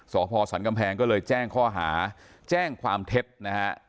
สพสันกำแพงก็เลยแจ้งข้อหาแจ้งความเท็จนะฮะ